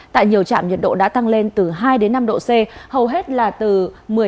tại nhiều trạm nhiệt độ đã tăng lên từ hai đến năm độ c hầu hết là từ một mươi bảy đến hai mươi độ c